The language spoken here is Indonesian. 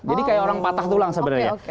jadi kayak orang patah tulang sebenarnya